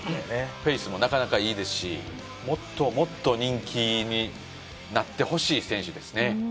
フェイスもなかなかいいですしもっともっと人気になってほしい選手ですね。